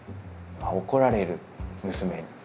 「あっ怒られる娘に」。